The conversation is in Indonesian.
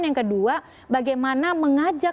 yang kedua bagaimana mengajak